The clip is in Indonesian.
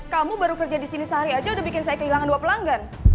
kamu baru kerja di sini sehari aja udah bikin saya kehilangan dua pelanggan